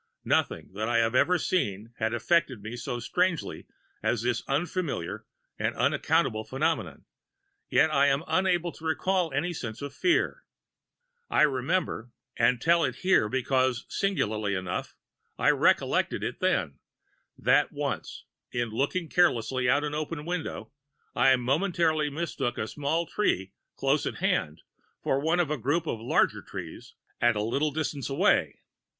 "Nothing that I had ever seen had affected me so strangely as this unfamiliar and unaccountable phenomenon, yet I am unable to recall any sense of fear. I remember and tell it here because, singularly enough, I recollected it then that once, in looking carelessly out of an open window, I momentarily mistook a small tree close at hand for one of a group of larger trees at a little distance away.